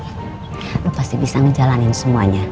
anda pasti bisa menjalankan semuanya